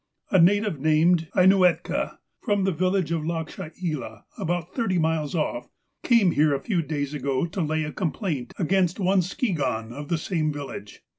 " A native, named Ainuetka, from the village of Lachshaila, about thirty miles off, came here a few days ago to lay a com plaint against one Skigahn of the same village.